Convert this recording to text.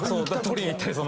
取りに行ったり。